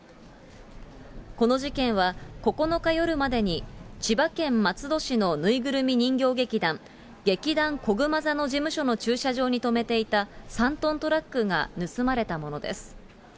この事件は、９日夜までに、千葉県松戸市のぬいぐるみ人形劇団、劇団こぐま座の事務所の駐車場に止めていた３トントラックが盗まれたものです。